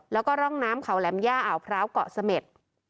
แล้วก็ร่องน้ำเขาแหลมย่าอ่าวพร้าวเกาะเสม็ด